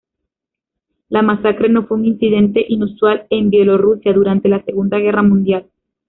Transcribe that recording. La masacre no fue un incidente inusual en Bielorrusia durante la Segunda Guerra Mundial.